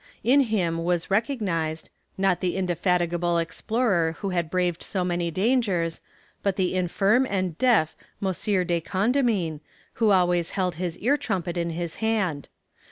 In him was recognized, not the indefatigable explorer who had braved so many dangers, but the infirm and deaf M. de Condamine, who always held his ear trumpet in his hand.